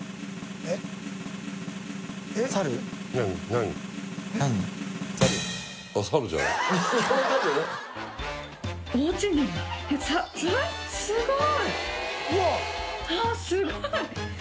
えっすごい！